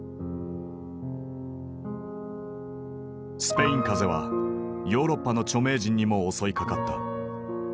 スペイン風邪はヨーロッパの著名人にも襲いかかった。